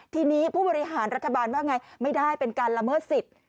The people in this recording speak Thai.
ทีนี้ผู้บริหารรัฐบาลว่าไงไม่ได้เป็นการละเมิดสิทธิ์